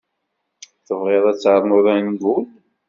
Tebɣiḍ ad ternuḍ angul?